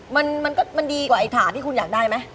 มันก็มันดีกว่าไอ้ถาดที่คุณอยากได้ไหม